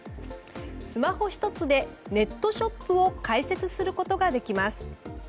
スマホ１つでネットショップを開設することができます。